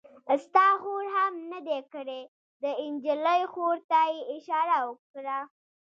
ستا خور هم نه دی کړی؟ د نجلۍ خور ته یې اشاره وکړه.